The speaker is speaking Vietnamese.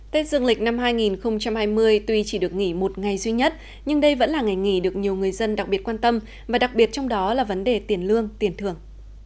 tết dương lịch năm hai nghìn hai mươi tuy chỉ được nghỉ một ngày duy nhất nhưng đây vẫn là ngày nghỉ được nhiều người dân đặc biệt quan tâm và đặc biệt trong đó là vấn đề tiền lương tiền thưởng